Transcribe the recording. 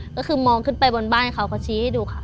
ก็คือมองขึ้นไปบนบ้านเขาก็ชี้ให้ดูค่ะ